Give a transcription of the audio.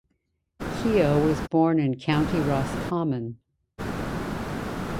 Keogh was born in County Roscommon.